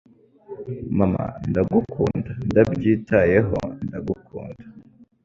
Mama ndagukunda Ndabyitayeho ndagukunda